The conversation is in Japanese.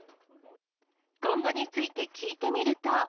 今後について聞いてみると。